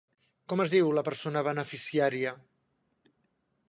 Com es diu la persona beneficiària?